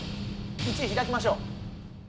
１位開きましょう。